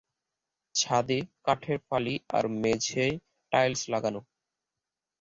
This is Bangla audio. ছাদে কাঠের ফালি আর মেঝেয় টাইলস লাগানো।